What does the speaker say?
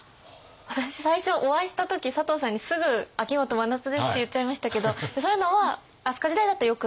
私最初お会いした時佐藤さんにすぐ「秋元真夏です」って言っちゃいましたけどそういうのは飛鳥時代だとよくない。